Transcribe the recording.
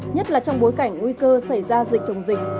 nhất là trong bối cảnh nguy cơ xảy ra dịch trồng dịch